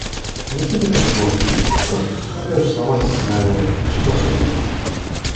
Неужели это сложно? Просто повторяешь слова из сценария, ничего особенного.